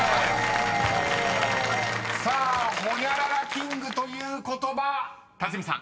［さあ「ホニャララキング」という言葉辰巳さん］